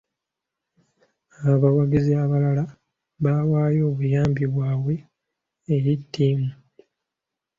Abawagizi abalala bawaayo obuyambi bwabwe eri ttiimu.